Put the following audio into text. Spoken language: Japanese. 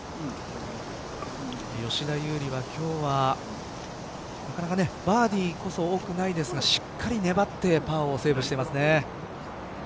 吉田優利は今日はなかなかバーディーこそ多くないですがしっかり粘ってパーをセーブしていますね。